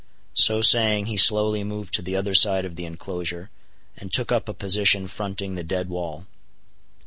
So saying he slowly moved to the other side of the inclosure, and took up a position fronting the dead wall.